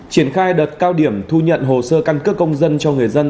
triển khai đợt cao điểm thu nhận hồ sơ căn cước công dân cho người dân